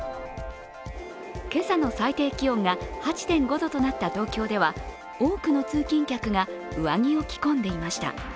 今朝の最低気温が８．５度となった東京では、多くの通勤客が上着を着込んでいました。